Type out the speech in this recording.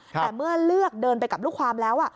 แต่เมื่อเลือกเดินไปกับลูกความแล้ว